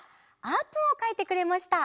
あーぷんをかいてくれました。